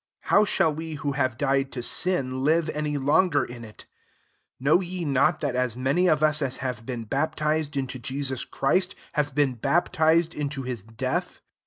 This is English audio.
How shall we, who have died to sin, live any longer in it ? 3 Know ye not that as many of us as have been baptized into Jesus Christ, have been baptized into hi$^ death